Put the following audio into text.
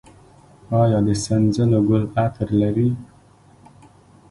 آیا د سنځلو ګل عطر لري؟